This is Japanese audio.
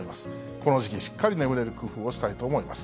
この時期、しっかり眠れる工夫をしたいと思います。